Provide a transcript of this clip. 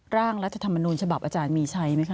ร่างรัฐธรรมนูญฉบับอาจารย์มีชัยไหมคะ